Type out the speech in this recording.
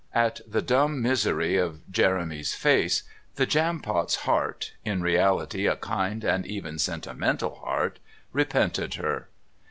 At the dumb misery of Jeremy's face the Jampot's hear in reality a kind and even sentimental heart repented her.